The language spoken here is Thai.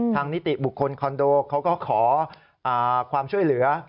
นิติบุคคลคอนโดเขาก็ขอความช่วยเหลือ